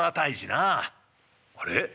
「あれ？